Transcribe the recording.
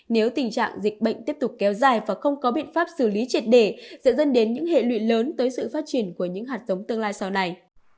nếu tình trạng dịch bệnh tiếp tục kéo dài và không có biện pháp xử lý triệt để sẽ dẫn đến những hệ lụy lớn tới sự phát triển của những hạt giống tương lai sau này